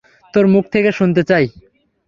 তোর মুখ থেকে শুনতে চাই।